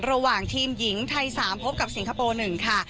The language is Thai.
ระหว่างทีมหญิงไทย๓พบกับสิงคโปร์๑ค่ะ